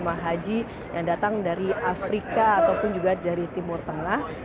jemaah haji yang datang dari afrika ataupun juga dari timur tengah